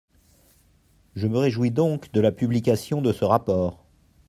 Je me réjouis donc de la publication de ce rapport.